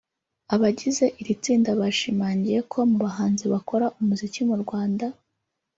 Abagize iri tsinda bashimangiye ko mu bahanzi bakora umuziki mu Rwanda